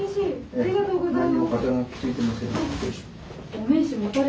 ありがとうございます。